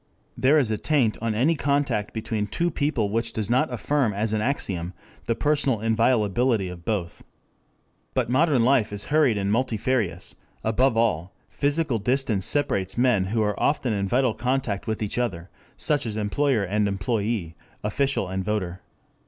There is a taint on any contact between two people which does not affirm as an axiom the personal inviolability of both. But modern life is hurried and multifarious, above all physical distance separates men who are often in vital contact with each other, such as employer and employee, official and voter.